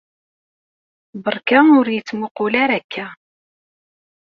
Beṛka ur iyi-d-ttmuqqul ara akka.